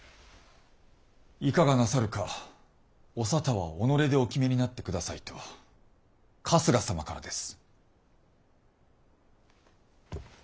いかがなさるかお沙汰は己でお決めになって下さいと春日様からです。